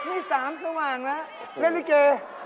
นี่สามสว่างแล้วเล่นลิเก